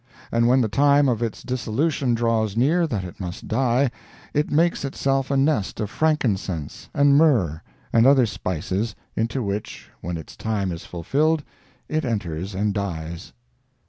And when the time of its dissolution draws near, that it must die, it makes itself a nest of frankincense, and myrrh, and other spices, into which, when its time is fulfilled, it enters and dies.